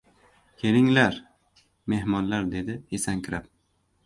— Kelinglar, mehmonlar, — dedi esankirab.